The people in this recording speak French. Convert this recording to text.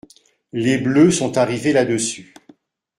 Les bleus sont arrivés là-dessus.